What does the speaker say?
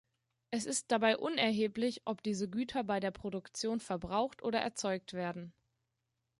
Es ist dabei unerheblich, ob diese Güter bei der Produktion verbraucht oder erzeugt werden.